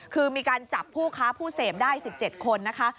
คือมีการจับผู้ค้าผู้เสพได้๑๗คนนะคะ